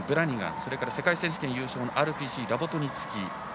それから世界選手権優勝ＲＰＣのラボトニツキー。